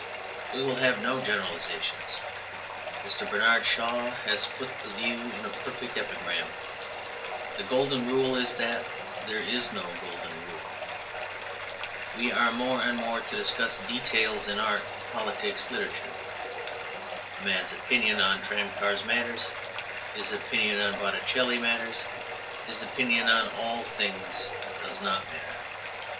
We will have no generalizations. Mr. Bernard Shaw has put the view in a perfect epigram: "The golden rule is that there is no golden rule." We are more and more to discuss details in art, politics, literature. A man's opinion on tramcars matters; his opinion on Botticelli matters; his opinion on all things does not matter.